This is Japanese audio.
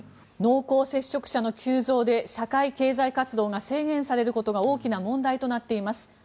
濃厚接触者の急増で社会経済活動が制限されることが大きな問題となっています。